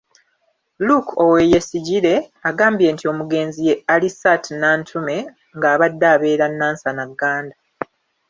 Luke Oweyesigyire agambye nti omugenzi ye Alisat Nantume ng'abadde abeera Nansana Gganda.